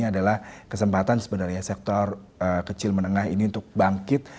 ini adalah kesempatan sebenarnya sektor kecil menengah ini untuk bangkit